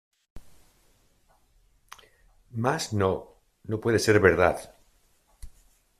Mas no, no puede ser verdad